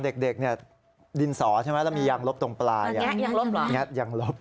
ตอนเด็กตรงดินสอมียางรบตรงปลาย